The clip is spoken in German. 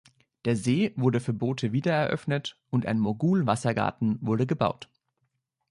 Der See wurde für Boote wiedereröffnet, und ein Mogul-Wassergarten wurde gebaut.